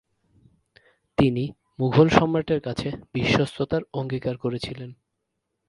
তিনি মুঘল সম্রাটের কাছে বিশ্বস্ততার অঙ্গীকার করেছিলেন।